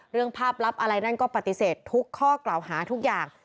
เรื่องภาพลับอะไรนั่นก็ปฏิเสธทุกข้อกล่าวหาทุกอย่าง